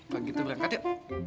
pak gitu berangkat yuk